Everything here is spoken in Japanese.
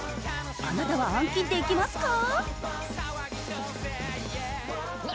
あなたは暗記できますか？